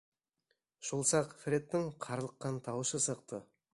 Шул саҡ Фредтың ҡарлыҡҡан тауышы сыҡты: